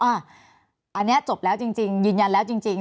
อันนี้จบแล้วจริงยืนยันแล้วจริง